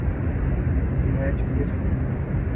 تو میچ پھر سہی۔